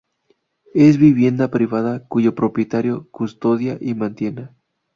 Es vivienda privada, cuyo propietario custodia y mantiene.